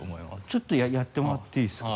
ちょっとやってもらっていいですか？